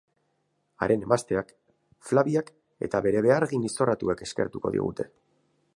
Haren emazteak, Flaviak eta bere behargin izorratuek eskertuko digute.